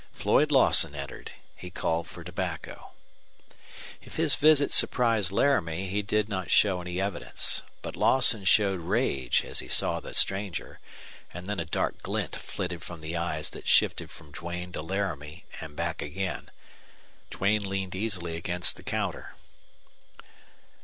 Floyd Lawson entered. He called for tobacco. If his visit surprised Laramie he did not show any evidence. But Lawson showed rage as he saw the ranger, and then a dark glint flitted from the eyes that shifted from Duane to Laramie and back again. Duane leaned easily against the counter.